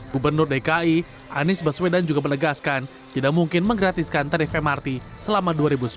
gubernur dki anies baswedan juga menegaskan tidak mungkin menggratiskan tarif mrt selama dua ribu sembilan belas